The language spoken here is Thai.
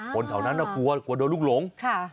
คนเท่านั้นก็กลัวโดนลูกหลง